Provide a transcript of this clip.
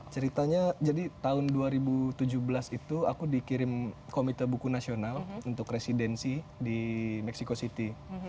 ceritanya jadi tahun dua ribu tujuh belas itu aku dikirim komite buku nasional untuk residensi di meksiko city